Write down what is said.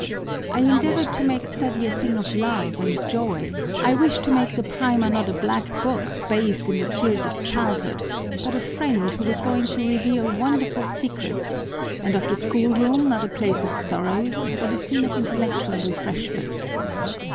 I endeavored to make study a thing of love and joy, I wished to make the primer not a black book bathed in the tears of childhood but a friend who was going to reveal wonderful secrets, and of the schoolroom not a place of sorrows but a scene of intellectual refreshment.